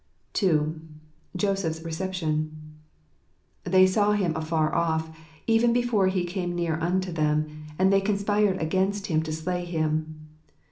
II. Joseph's Reception. — "They saw him afar off, even before he came near unto them, and they conspired against him to slay him."